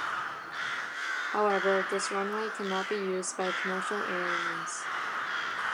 However, this runway cannot be used by commercial airlines.